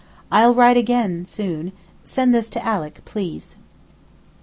I'll write again soon, send this to Alick, please.